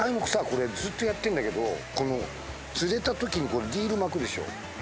これずっとやってんだけど釣れた時にこのリール巻くでしょう？